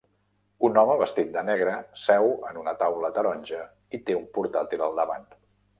Un home vestit de negre seu en una taula taronja i té un portàtil al davant.